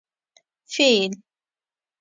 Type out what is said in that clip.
🐘 فېل